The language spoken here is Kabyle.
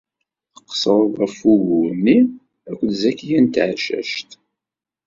Tqeṣṣred ɣef wugur-nni akked Zakiya n Tɛeccact.